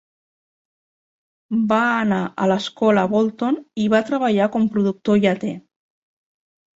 Va anar a l"escola a Bolton i va treballar com productor lleter.